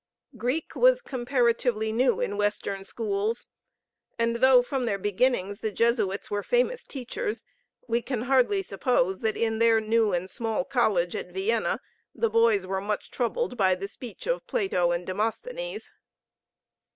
Greek was comparatively new in Western schools. And though from their beginnings the Jesuits were famous teachers, we can hardly suppose that in their new and small college at Vienna the boys were much troubled by the speech of Plato and Demosthenes.